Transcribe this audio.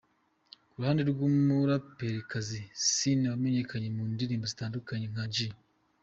Ku ruhande rw’umuraperikazi Ciney wamenyekanye mu ndirimbo zitandukanye nka G.